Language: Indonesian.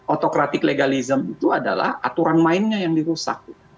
autokratik legalisme itu adalah aturan mainnya yang dirusak